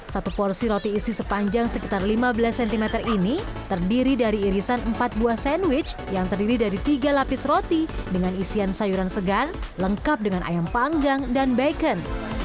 satu porsi roti isi sepanjang sekitar lima belas cm ini terdiri dari irisan empat buah sandwich yang terdiri dari tiga lapis roti dengan isian sayuran segar lengkap dengan ayam panggang dan bacon